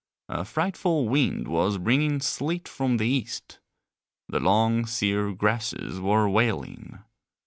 A frightful wind was bringing sleet from the East. The long sere grasses were wailing.